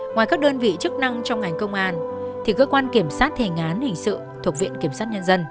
ngoài các đơn vị chức năng trong ngành công an thì cơ quan kiểm sát thề ngán hình sự thuộc viện kiểm sát nhân dân